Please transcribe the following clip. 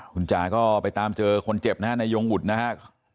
คุณจ๋าก็ไปตามเจอคนเจ็บนะฮะนายยงบุตรนะฮะ